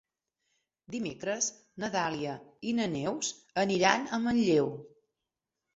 Dimecres na Dàlia i na Neus aniran a Manlleu.